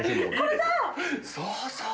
そうそう。